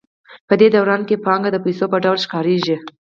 په دې دوران کې پانګه د پیسو په ډول ښکارېږي